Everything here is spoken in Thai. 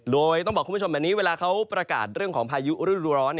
โดยต้องบอกคุณผู้ชมแบบนี้เวลาเขาประกาศเรื่องของพายุฤดูร้อน